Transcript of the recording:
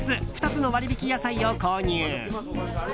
２つの割引野菜を購入。